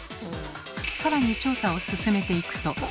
さらに調査を進めていくと。